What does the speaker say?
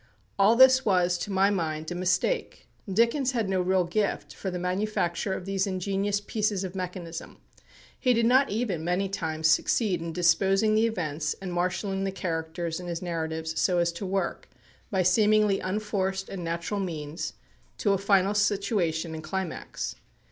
All this was, to my mind, a mistake. Dickens had no real gift for the manufacture of these ingenious pieces of mechanism. He did not even many times succeed in disposing the events and marshalling the characters in his narratives so as to work, by seemingly unforced and natural means, to a final situation and climax.